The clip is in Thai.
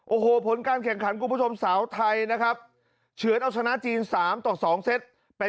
โอ้โหผลการแข่งขันคุณผู้ชมสาวไทยนะครับเฉือนเอาชนะจีน๓ต่อ๒เซตไป